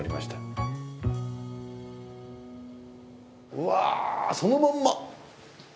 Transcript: うわそのまんま！